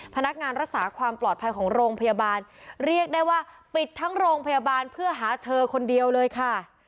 พนักงานรักษาความปลอดภัยของโรงพยาบาลเรียกได้ว่าปิดทั้งโรงพยาบาลเพื่อหาเธอคนเดียวเลยค่ะ